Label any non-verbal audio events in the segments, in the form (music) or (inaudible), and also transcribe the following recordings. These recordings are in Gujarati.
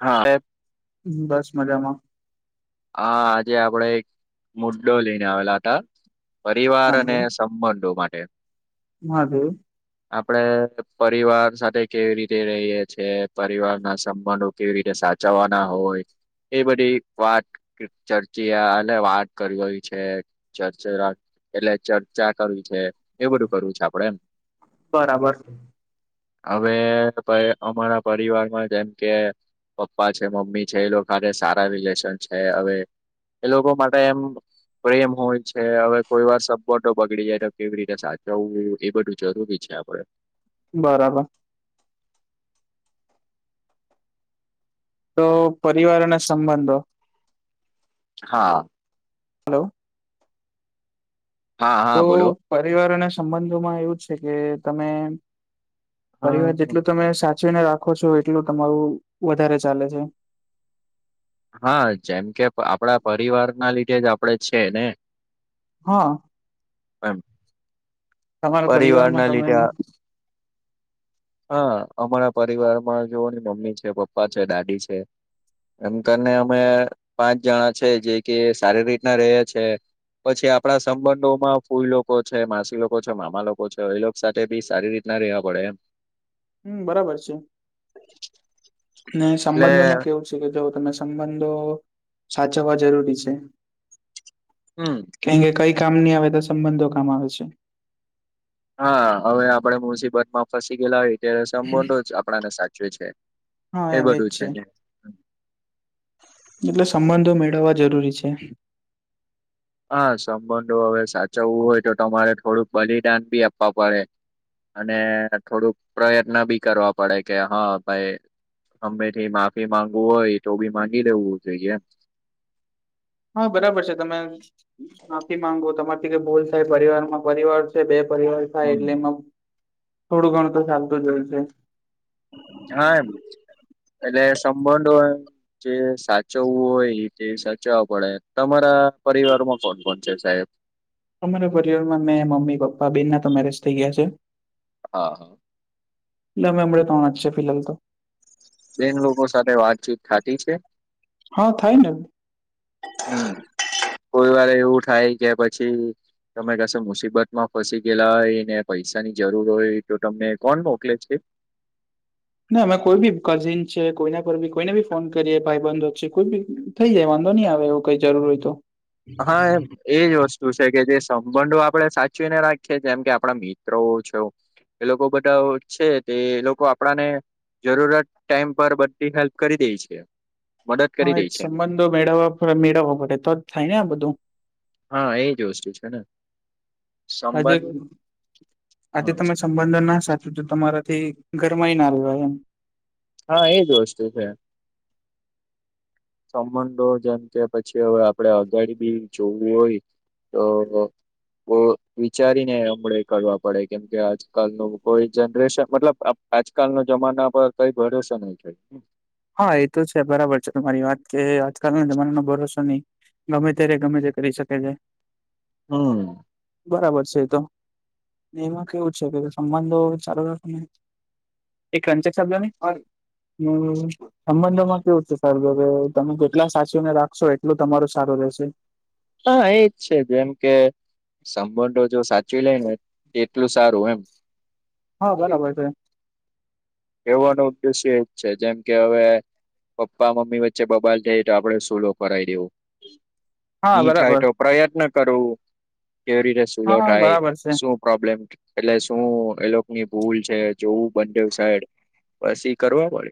હા. બસ મજામાં. હા આજે આપડે એક મુ્દો લઈને આવેલા હતા. પરિવાર અને સંબંધો માટે. હા બોલ. આપડે પરિવાર સાથે કેવી રીતે રહીએ છીએ, પરિવાર ના સંબંધો કેવી રીતે સાચવવાના હોય એ બધી વાત (unintelligible) વાત કરવી હોવી છે, ચચેરા એટલે ચર્ચા કરવી છે, એ બધું કરવું છે આપડે એમ. બરાબર હવે અમારા પરિવારમાં જેમ કે પપ્પા છે, મમ્મી છે એ લોકોને સારા રિલેશન છે હવે. એ લોકો માટે એમ પ્રેમ હોય છે હવે કોઈ વાર સબોટો બગડી જાય તો કેવી રીતે સાચવવું એ બધું જરૂરી છે આપણે. બરાબર. તો પરિવાર અને સંબંધો હા. હલો. હા હા તો બોલો પરિવાર અને સંબંધોમાં એવું છે કે તમે પરિવાર હા જેટલું તમે સાચવીને રાખો છો એટલુ તમારું વધારે ચાલે છે. હા જેમ કે આપડા પરિવારના લીધે જ આપડે છે ને. હા, એમ તમારા પરિવારમાં પરિવારના તમે લીધે એને (inaudible) હા, અમારા પરિવારમાં જોવોને મમ્મી છે, પપ્પા છે, દાદી છે. એમ કરીને અમે પાંચ જણા છે જે કે સારી રીતના રે છે. પછી આપણા સંબંધો માં ફૂઈ લોકો છે, માસી લોકો મામા લોકો છે એ લોકો સાથે બી સારી રીતના રહેેવા પડે એમ. હમ્મ, બરાબર છે ને એટલે સંબંધમાં કેવું શુ કે તો જો તમે સંબંધો સાચવવા જરૂરી છે. હમ્મ. કેમ કે કઈ કામ નહી આવે તો સંબંધો કામ આવે છે. હા હવે આપડે મુસીબત માં ફસી ગયેલા હોય ત્યારે સંબંધો જ આપણાને સાચવે છે. હા, એ એમ એજ બધું છે. ને એટલે સંબંધો મેળવવા જરૂરી છે. હા, સંબંધો હવે સાચવવું હોય તો તમારે થોડુંક બલિદાન બી આપવા પડે. અને થોડુંક પ્રયત્ન બી કરવા પડે કે હા ભાઈ હામે થી માફી માંગવું હોય તો બી માંગી દેવું જોઈએ એમ. હા બરાબર છે તમે. માફી માંગવુ તમારીથી કે ભૂલ થઈ પરિવાર માં પરિવાર છે બે પરિવાર થાય એટલે એમાં હમ. થોડું ઘણું તો ચાલતું જ હોય છે. હા એમ એટલે સંબંધ હોય જે સાચવવું હોય તે સાચવવા પડે તમારા પરિવારમાં કોણ કોણ છે સાહેબ? અમારા પરિવારમાં મેં મમ્મી પપ્પા બેના તો મેરેજ થઈ ગયા છે. હા. એટલે અમે હમણા તોણ જ છે ફિલાહાલ તો બેન લોકો સાથે વાતચીત થાતી છે. હા થાય ને હમ્ કોઈ વાર એવું થાય કે પછી તમે કસે મુસીબત માં ફસી ગયેલા હોય ને પૈસાની જરૂર હોય તો તમને કોણ મોકલે છે? ના અમે કોઈ બી કઝિન છે કોઈના પર બી કોઈને બી ફોન કરીએ ભાઈબંધો છે કોઈ બી થઈ જાય વાંધો ની આવે એવું કઈ જરૂર હોય તો હા એ એજ વસ્તુ છે કે જે સંબંધો આપડે સાચવીને રાખીએ જેમ કે આપડા મિત્રો છો એ લોકો બધા છે તે લોકો આપડાને જરૂરત ટાઈમ પર બધી હેલ્પ કરી દેય છે. મદદ કરી હા એ દે છે સંબંધો મેળવવા મેળવવા પડે તો જ થાય ને આ બધું હા એ જ વસ્તુ છે ને આજે સંબંધ આજે હા તમે સંબંધ ના સાચું તો તમારાથી ઘરમાય ના રેવાય એમ હા એજ વસ્તુ છે. સંબંધો જેમ કે પછી હવે આપડે આગડી બી જોવું હોય તો બો વિચારીને આપડે કરવા પડે કેમ કે આજકાલનું કોઈ જનરેશન મતલબ આ આજકાલ નો જમાના પર કઈ ભરોસો નઈ થાય હા એ તો છે બરાબર છે તમારી વાત કે આજકાલ ના જમાનાનો ભરોસો ની ગમે ત્યારે ગમે તે કરી શકે છે. હમ બરાબર છે એ તો એમાં કેવું છે કે સંબંધો ચાલુ રાખો એક (unintelligible) સંબંધોમાં કેવું છે સારું કે તમે જેટલા સાચવીને રાખશો એટલું તમારું સારું રહેશે. હા, એજ છે. જેમ કે સંબંધો જો સાચવી લેય ને એટલું સારું એમ. હા બરાબર છે. કેવાનો ઉદ્દેશ્ય એજ છે જેમ કે હવે, પપ્પા મમ્મી વચ્ચે બબાલ થાય તો આપડે સોલો કરાવી દેવો. હા ની થાય બરાબર તો પ્રયત્ન કરવું કેવી રીતે સૂલો હા થાય બરાબર છે શું? પ્રોબ્લેમ એટલે શું? એની ભૂલ છે, જોવું બે સાઈડ પછી કરવા પડે.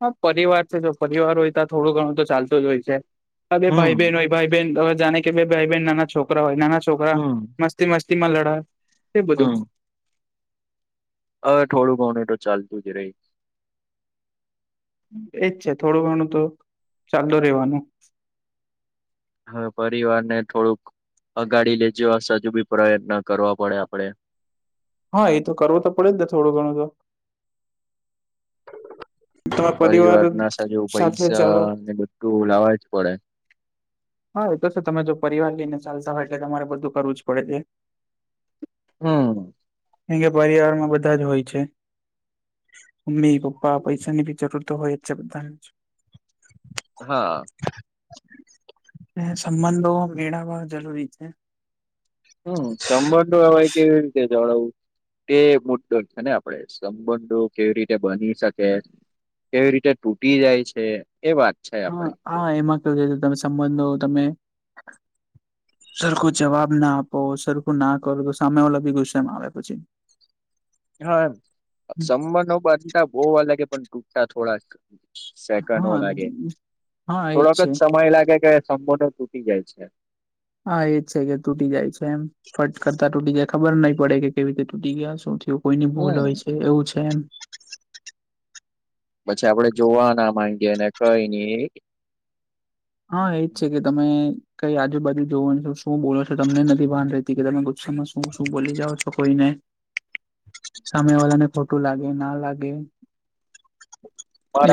હા, પરિવાર છે. જો પરિવાર હોય, તો થોડું ઘણું તો ચાલતું જ હોય છે. આ બે હમ ભાઈ બહેન હોય. ભાઈ બહેન જાણે કે બે ભાઈ બહેન નાના છોકરા હોય, નાના છોકરા હમ મસ્તી મસ્તીમાં લડા એ બધું હમ હવે, થોડું ઘણું એ તો ચાલતું જ રેય. એજ છે થોડું ઘણું તો ચાલતું રેવાનું. હ પરિવારને થોડુંક અગાડી લેઈ જવા સજુ બી પ્રયત્ન કરવા પડે આપડે હા, એ તો કરવો તો પડેજ ને થોડું ઘણું તો પરિવાર ના સાજવ સાથે પૈસા ચાલો ને બધું લાવવા જ પડે. હા એ તો છે તમે જો પરિવાર લઈને ચાલતા હોય એટલે તમારે બધું કરવું જ પડે છે હમ. કારણકે પરિવારમાં બધા જ હોય છે. મમ્મી પપ્પા પૈસાની બી જરૂર તો હોય જ છે. બધાને જ હા. અને સંબંધો મેળવવા જરૂરી છે. હમ. સંબંઓ એવા કેવી રીતે જવડાવું તે મુદ્દો છે ને, આપણે સંબંધો કેવી રીતે બની શકે. કેવી રીતે તૂટી જાય છે, એ વાત છે હા, આપડે હા. એમાં કેવું છે? તમે સંબંધો તમે (inaudible) સરખો જવાબ ના આપો, સરખું ના કરો, તો સામે વાળો પણ ગુસામાં આવે. પછી હા, એમ. સંબંધો બાંધતા બો વાર લાગે પણ તૂટતા થોડાક સેકન્ડો હા લાગે, હા એજ થોડોક જ છે સમય લાગે કે સંબંધો તૂટી જાય છે. હા, એજ છે કે તૂટી જાય છે એમ. ફટ કરતા તૂટી જાય, ખબર નહી પડે કે કેવી રીતે તૂટી ગયા. શું થયું કોઈની ભૂલ હમ હોય એવું એમ. પછી આપણે જોવા ના માંગીએે, ને કઈ નહી હા, એજ છે કે તમે કઈ આજુબાજુ જોવનું શું બોલો છો? તમને નથી ભાન રહતી કે તમે ગુસ્સમાં શું શું બોલી જાઓ છો? કોઈ ને (inaudible) સામે વાળા ને ખોટું લાગે, ના લાગે.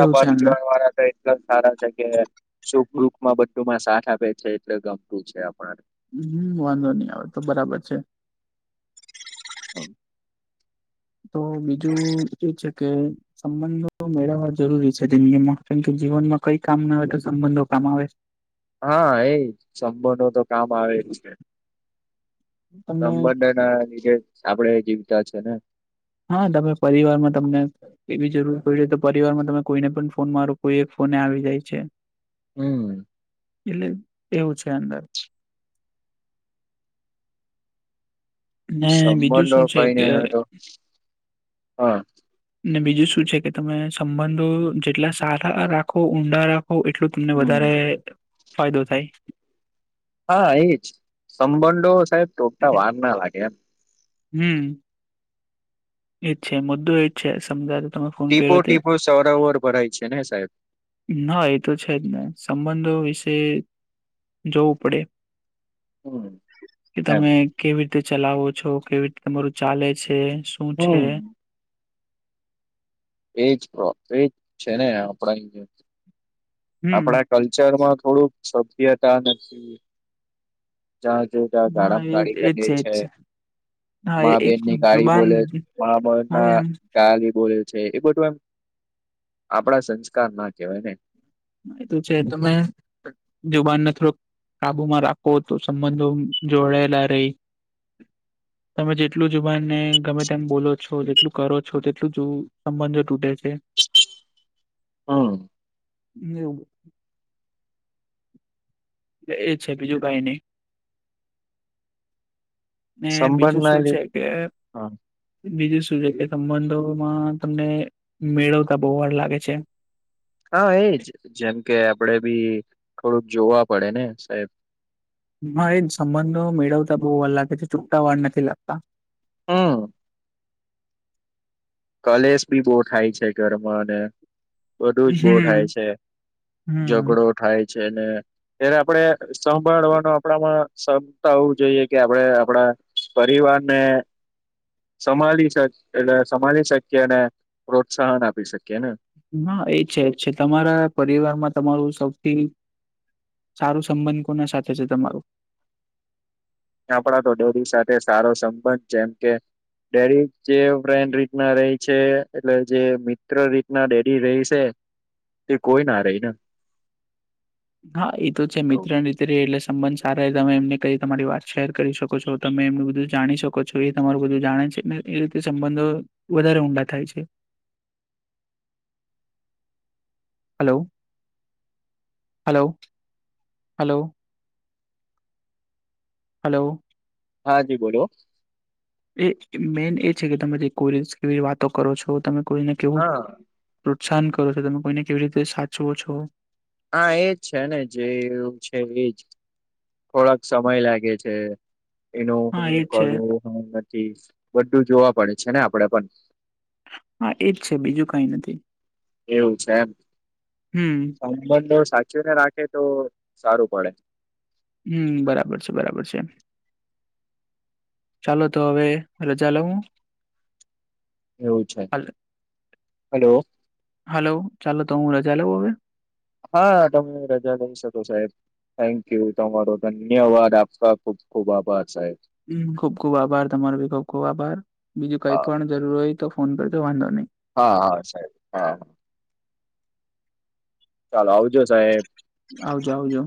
એવું છે અંદર (unintelligible) એટલા સારા છે, કે સુખદુખમાં બધુંમાં સાથ આપે છે. એટલે ગમતું છે, આપ હમ. વાંધો નહી આવે, તો બરાબર છે. (unintelligible) તો બીજું એ છે કે સંબંધો મેળવવા જરૂરી છે, તે કે જીવનમાં કઈ કામ ના આવે, તો સંબંધો કામ આવે. હા, એજ. સંબંધો તો કામ આવે જ છે. તમને સંબંધોના લીધે જ આપણે જીવતા છે ને. હા, તમે પરિવારમાં તમને એવી જરૂર પડી તો પરિવારમાં તમે કોઈને પણ ફોન મારો કોઈ એક ફોને આવી જાય છે. હમ. એટલે એવું છે અંદર. ને બીજું સંબંધો શું છે કઈ કે નઈ હોય તો હા ને બીજું શું છે કે તમે સંબંધો જેટલા સારા રાખો ઊંડા રાખો રાખો, એટલું તમને હમ વધારે ફાયદો થાય. હા એ જ સંબંધો સાહેબ તોડતા થાય વાર ના લાગે એમ હમ. એજ છે મુદ્દો એ જ છે સમજાયું ટીપે ટીપે સરોવર ભરાય છે ને સાહેબ ના એ તો છે જ ને સંબંધો વિશે જોવું પડે. હમ કે એમ તમે કેવી રીતે ચલાવો છો, કેવી રીતે તમારું ચાલે છે, શું છે? હમ એજ તો એજ છે ને આપણા હમ આપણા કલ્ચરમાં થોડુંક સભ્યતા નથી. જ્યાં જો ત્યાં હા અપ એ શબ્દ એજ બોલીએ એજ છે હા એ મા એક બેનની વિશે ખોટા શબ્દ જુબાન બોલે મા હા એ બેનના ખોટા શબ્દ બોલે છે એ બધું એમ આપણા સંસ્કાર ના કહેવાય ને એ તો છે તમે જુબાનને થોડોક કાબુમાં રાખો તો સંબંધો જોડાયેલા રહે. (unintelligible) (inaudible) તમે જેટલું જુબાનને ગમે તેમ બોલો છો, જેટલું કરો છો, તેટલું જ સંબંધો તૂટે છે. હું. (unintelligible) (inaudible) એ છે બીજું કઈ નઈ, ને સંભાળ બીજું ના શું લે છે, કે હા બીજું શું છે, કે સંબંધોમાં તમને મેળવતા બહુવાર લાગે છે. હા એજ જેમ કે આપડે ભી થોડુંક જોવા પડેને સાહેબ. મા એજ સંબંધો મેળવતા બહુવા લાગે છે, ચૂકતા વાર નથી લાગતા. હું. કલેશ ભી બહુ થાય છે, ઘરમાં અને. બધું જ બોવ હમ થાય છે, હમ ઝગડો થાય છે, ને ત્યારે આપડે સંભાળવાનો આપડામાં ક્ષમતા હોવુ જોઈએ કે આપડે આપડા, પરિવારને સંભાળ શકે એટલે સંભાળ. શકીએ અને પ્રોત્સાહન આપી શકીએ ને, હાએ છે, છે, તમારા પરિવારમાં તમારું સૌથી. સારું સંબંધ કોના સાથે છે, તમારું આપડા તો ડેડી સાથે સારો સંબંધ જેમ કે ડેડી જે ફ્રેન્ડ રીતના રેય. છે એટલે જે મિત્ર રીતના ડેડી રહી છે, તે કોઈના રહીને, હા એતો છે, એવું મિત્ર રીતે રેય એટલે સંબંધ સારા તમે એમને કઈ તમારી વાત શેર કરી શકો. છો તમે એમનું બધું જાણી શકો છો, એ તમારું બધું જાણે છે, ને એ રીતે સંબંધો વધારે ઊંડા થાય છે. હાલો-હાલો-હાલો, હલો, હાજી બોલો, એ મેન એ છે, કે તમે જે કોઈ કેવી રીતે વાતો કરો છો તમે કોઈને કેવું, હા પ્રોત્સાહન કરો છો તમે કોઈને કેવી રીતે સાચવો છો, હા એજ છે ને જેવું છે, એજ થોડાક સમય લાગે છે. એનું હા એજ છે ઘણું નથી બધું જોવા પડે છે, ને આપડે પણ. હા એજ છે, બીજું કઈ નથી. એવું છે એમ, હું. સંબંધો સાચવીને રાખે તો સારું પડે, હું બરાબર છે, બરાબર છે. ચાલો તો હવે રજાલે હું, એવું છે, હલો હલો ચાલો તો હું રજા લઉં હવે, હા તમે રજા જઈ શકો સાહેબ, થેન્ક યુ તમારો ધન્યવાદ આપકા ખુબ ખુબ આભાર સાહેબ, હું ખુબ ખુબ આભાર તમારો ભી ખુબ ખુબ આભાર બીજું કઈ હા પણ જરૂર હોય તો, ફોન કરજો વાંધો નહી. હા, હા સાહેબ. ચાલો આવજો સાહેબ, આવજો આવજો,